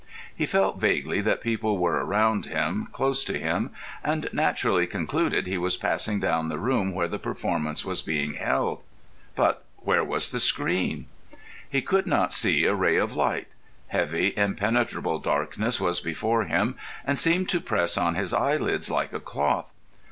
He felt vaguely that people were round him, close to him, and naturally concluded he was passing down the room where the performance was being held. But where was the screen? He could not see a ray of light. Heavy, impenetrable darkness was before him, and seemed to press on his eyelids like a cloth.